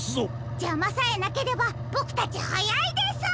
じゃまさえなければボクたちはやいです。